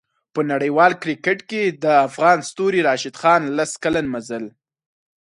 په نړیوال کریکټ کې د افغان ستوري راشد خان لس کلن مزل